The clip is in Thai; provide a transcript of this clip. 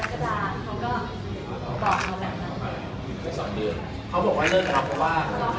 กระดาษกระดาษเขาก็ตอบตัวแบบนั้นเขาบอกว่าเลิกครับเพราะว่า